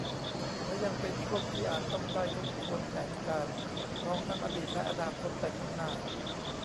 และยังเป็นช่วงที่อาจต้องได้ทบทวนแผนการ มองทั้งอดีตและอนาคตไปข้างหน้า